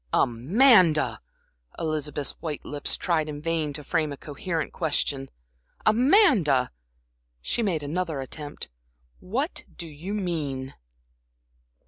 "Amanda!" Elizabeth's white lips tried in vain to frame a coherent question. "Amanda," she made another attempt "what do you mean?"